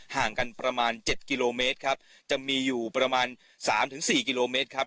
ห่างกันประมาณเจ็ดกิโลเมตรครับจะมีอยู่ประมาณสามถึงสี่กิโลเมตรครับ